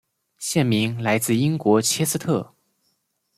县名来自英国切斯特。